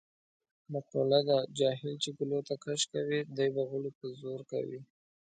مقوله ده: جاهل چې ګلوته کش کوې دی به غولو ته زور کوي.